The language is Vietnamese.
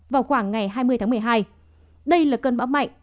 vào khoảng ngày hai mươi tháng một mươi hai đây là cơn bão mạnh